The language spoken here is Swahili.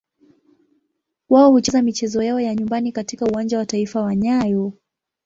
Wao hucheza michezo yao ya nyumbani katika Uwanja wa Taifa wa nyayo.